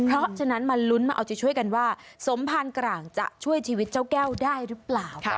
เพราะฉะนั้นมาลุ้นมาเอาใจช่วยกันว่าสมภารกลางจะช่วยชีวิตเจ้าแก้วได้หรือเปล่า